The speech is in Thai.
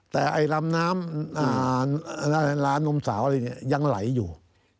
แต่ลำน้ำร้านนมสาวอะไรเนี่ยยังไหลอยู่